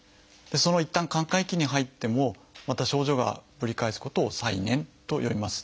いったん寛解期に入ってもまた症状がぶり返すことを「再燃」と呼びます。